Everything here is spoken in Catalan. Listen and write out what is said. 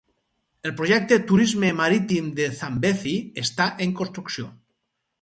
El projecte "Turisme marítim de Zambezi" està en construcció.